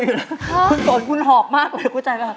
คุณโสนคุณหอบมากเลยคุณแจ่ค่ะ